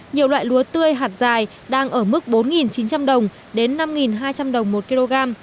nhiều loại lúa tươi hạt dài đang ở mức bốn chín trăm linh đồng đến năm hai trăm linh đồng một kg